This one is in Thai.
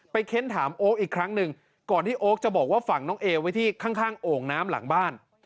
เค้นถามโอ๊คอีกครั้งหนึ่งก่อนที่โอ๊คจะบอกว่าฝั่งน้องเอไว้ที่ข้างโอ่งน้ำหลังบ้าน